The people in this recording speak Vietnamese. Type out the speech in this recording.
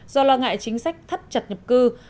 do lo ngại chính sách thắt chặt nhập cư